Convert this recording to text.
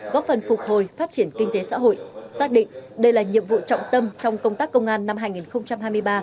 góp phần phục hồi phát triển kinh tế xã hội xác định đây là nhiệm vụ trọng tâm trong công tác công an năm hai nghìn hai mươi ba